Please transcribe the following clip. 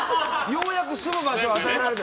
ようやく住む場所を与えられた。